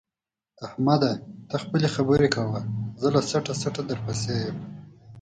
احمده! ته خپلې خبرې کوه زه له څټه څټه درپسې یم.